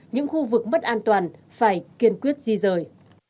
những khu vực mất an toàn phải kiên quyết di rời